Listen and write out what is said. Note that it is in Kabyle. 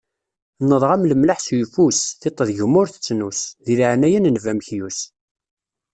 Nnḍeɣ-am lemlaḥ s uyeffus, tiṭ deg-m ur tettnus, deg laɛnaya n nnbi amekyus.